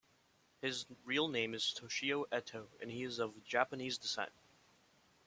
His real name is Toshio Eto, and he is of Japanese descent.